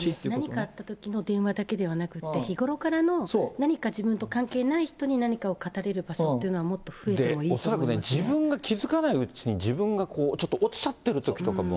何かあったときの電話だけではなくて、日頃からの、何か自分と関係ない人に何かを語れる場っていうのは、もっと増えてもいい恐らくね、自分が気付かないうちに自分がこう、ちょっと落ちちゃってるときとかも。